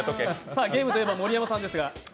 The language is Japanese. ゲームといえば盛山さんですが。